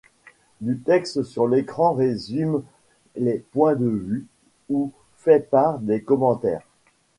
Du texte sur l'écran résume les points de vue ou fait part des commentaires.